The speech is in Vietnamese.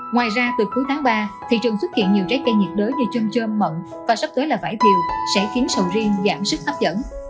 ngoài ra từ cuối tháng ba thị trường xuất hiện nhiều trái cây nhiệt đới như chưng chơm mận và sắp tới là vải thiều sẽ khiến sầu riêng giảm sức hấp dẫn